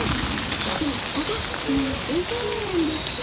実はここが島の中心街なんです。